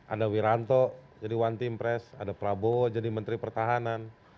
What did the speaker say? ada wiranto jadi one team press ada prabowo jadi menteri pertahanan